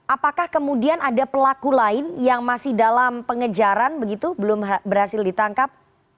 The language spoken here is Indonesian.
apakah kemudian ada pelaku lain yang masih dalam pengejaran begitu belum berhasil ditangkap